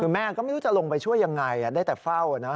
คือแม่ก็ไม่รู้จะลงไปช่วยยังไงได้แต่เฝ้านะ